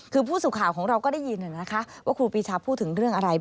คือผู้สื่อข่าวของเราก็ได้ยินว่าครูปีชาพูดถึงเรื่องอะไร